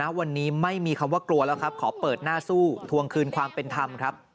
วันนี้ไม่มีคำว่ากลัวแล้วครับขอเปิดหน้าสู้ทวงคืนความเป็นธรรมครับ